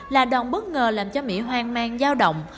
là đòn bất ngờ làm cho mỹ hoang mang giao động